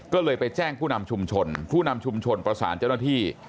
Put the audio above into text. ก็เลยไปแจ้งผู้นำชุมชนผู้นำชุมชนประสานเจ้าหน้าที่